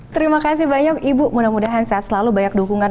terima kasih banyak ibu mudah mudahan sehat selalu banyak dukungan